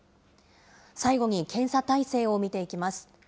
最後に検査体制を見ていきます。